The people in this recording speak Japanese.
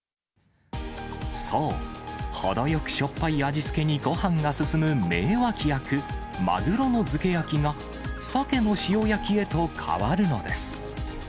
そう、程よくしょっぱい味つけにごはんが進む名脇役、マグロの漬け焼きが、サケの塩焼きへと変わるのです。